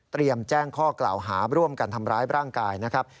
แจ้งข้อกล่าวหาร่วมกันทำร้ายร่างกายนะครับ